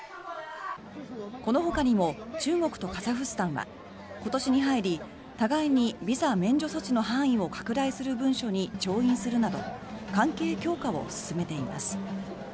このほかにも中国とカザフスタンは今年に入り互いにビザ免除措置の範囲を拡大する文書に調印するなど関係強化を進めています。